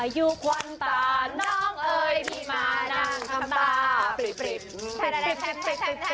อยู่กว่างตานน้องเอ๋ยพี่มานั่งคำตาปริปปริปปริปปริปปริปปริป